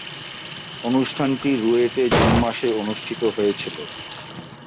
অনুষ্ঠানটি রুয়েটে জুন মাসে অনুষ্ঠিত হয়েছিলো।